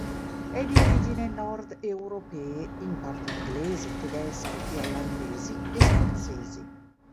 È di origini nord-europee, in parte inglesi, tedesche, irlandesi e scozzesi.